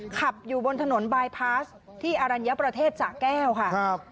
ขับอยู่บนถนนบายพาสที่อรัญญประเทศสะแก้วค่ะ